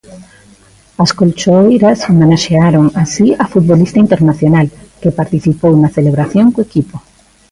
As colchoeiras homenaxearon así a futbolista internacional, que participou na celebración co equipo.